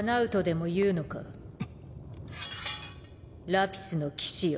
ラピスの騎士よ